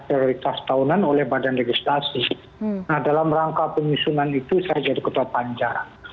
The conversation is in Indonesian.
prioritas tahunan oleh badan legislasi dalam rangka penyusunan itu saya jadi ketua panjar